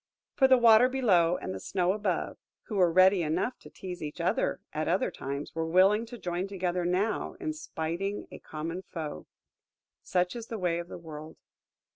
For the Water below and the Snow above, who were ready enough to tease each other at other times, were willing to join together now in spiting a common foe. Such is the way of the world!